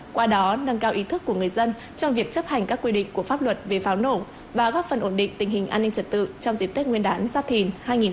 qua đó nâng cao ý thức của người dân trong việc chấp hành các quy định của pháp luật về pháo nổ và góp phần ổn định tình hình an ninh trật tự trong dịp tết nguyên đán gia thìn hai nghìn hai mươi bốn